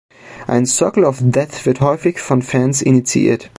Ein Circle of Death wird häufig von Fans initiiert.